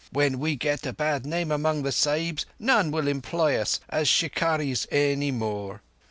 "If we get a bad name among the Sahibs, none will employ us as shikarris any more."